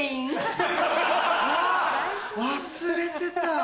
あっ忘れてた。